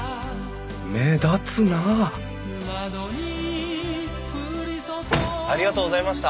目立つなありがとうございました。